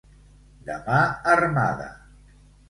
De mà armada.